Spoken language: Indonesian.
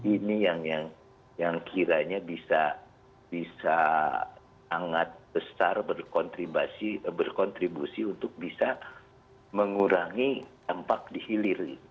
ini yang kiranya bisa sangat besar berkontribusi untuk bisa mengurangi tempat dihilir